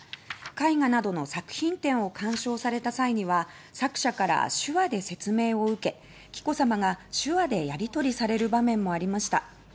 絵画などの作品展を鑑賞された際には作者から手話で説明を受け紀子さまが手話でやりとりされる場面もありました。